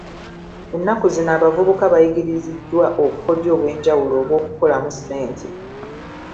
Ennaku zino abavubuka bayigiriziddwa obukodyo obwenjawulo obw'okukolamu ssente